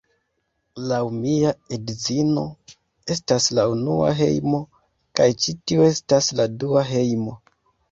Laŭ mia edzino, estas la unua hejmo, kaj ĉi tiu estas la dua hejmo.